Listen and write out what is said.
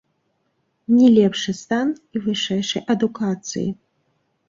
Не лепшы стан і вышэйшай адукацыі.